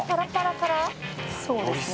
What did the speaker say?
「そうですね」